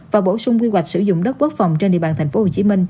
và bổ sung quy hoạch sử dụng đất quốc phòng trên địa bàn tp hcm